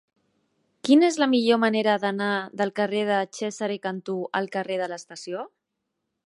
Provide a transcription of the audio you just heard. Quina és la millor manera d'anar del carrer de Cesare Cantù al carrer de l'Estació?